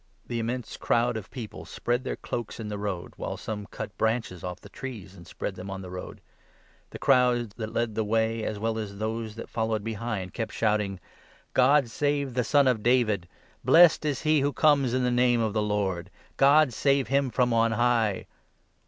The 8 immense crowd of people spread their cloaks in the road, while some cut branches off the trees, and spread them on the road. The crowds that led the way, as well as those that 9 followed behind, kept shouting :" God save the Son of David ! Blessed is He who conies in the name of the Lord ! God save him from on high